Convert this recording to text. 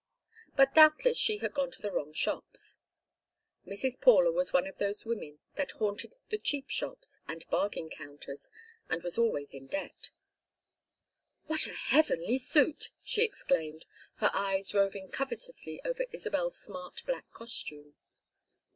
But doubtless she had gone to the wrong shops. Mrs. Paula was one of those women that haunted the cheap shops and bargain counters, and was always in debt. "What a heavenly suit!" she exclaimed, her eyes roving covetously over Isabel's smart black costume.